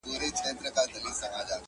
هغه ورځ لکه کارګه په ځان پوهېږي،